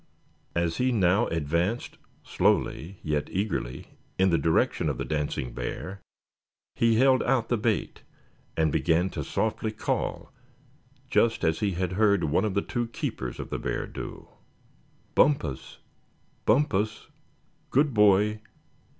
As he now advanced, slowly yet eagerly, in the direction of the dancing bear, he held out the bait, and began to softly call, just as he had heard one of the two keepers of the bear do: "Bumpus! Bumpus, good boy!